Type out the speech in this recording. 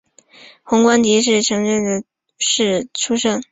洪光迪是承天府香茶县永治总明乡社出生。